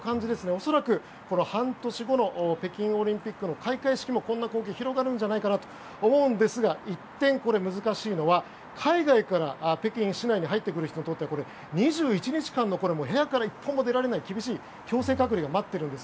恐らく、半年後の北京オリンピックの開会式もこんな光景が広がるんじゃないかと思うんですが、一転難しいのは海外から北京市内に入ってくる人にとっては２１日間の部屋から一歩も出られない強制隔離が待っているんです。